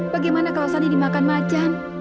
bagaimana kalau sandi dimakan macan